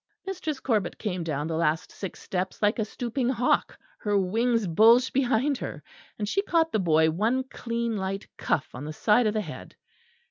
Mistress Corbet came down the last six steps like a stooping hawk, her wings bulged behind her; and she caught the boy one clean light cuff on the side of the head.